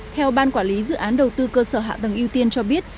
theo ban quản lý dự án đầu tư cơ sở hạ tầng ưu tiên cho biết